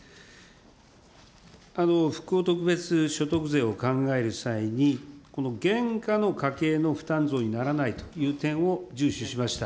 復興特別所得税を考える際に、この現下の家計の負担増にならないという点を順守しました。